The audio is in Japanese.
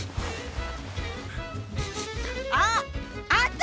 あっあんた！